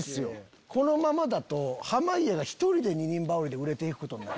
このままだと濱家が１人で二人羽織で売れていくことになる。